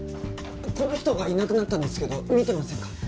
この人がいなくなったんですけど見てませんか？